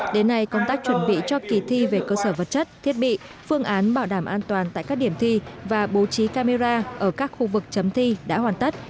đến nay công tác chuẩn bị cho kỳ thi về cơ sở vật chất thiết bị phương án bảo đảm an toàn tại các điểm thi và bố trí camera ở các khu vực chấm thi đã hoàn tất